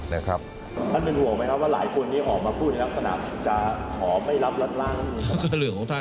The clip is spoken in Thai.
มรุณต้นพ่อมีความห่วงแมบว่า